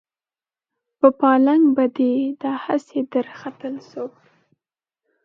په پالنګ به دې دا هسې درختل څوک